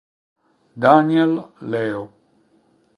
Daniel Leo